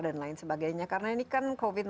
dan lain sebagainya karena ini kan covid sembilan belas